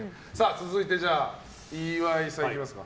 続いて、岩井さんいきますか。